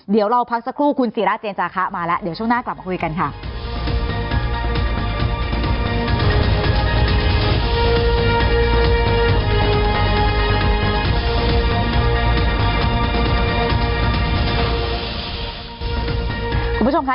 เดี๋ยวเราพักสักครู่คุณศิราเจนจาคะมาแล้วเดี๋ยวช่วงหน้ากลับมาคุยกันค่ะ